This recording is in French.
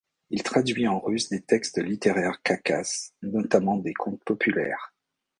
Il traduit en russe des textes littéraires khakasses, notamment des contes populaires.